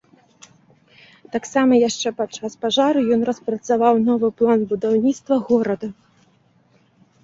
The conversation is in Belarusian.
Таксама, яшчэ падчас пажару, ён распрацаваў новы план будаўніцтва горада.